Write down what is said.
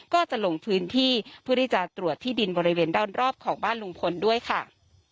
ก็จะลงพื้นที่เพื่อที่จะตรวจที่ดินบริเวณด้านรอบของบ้านลุงพลด้วยค่ะ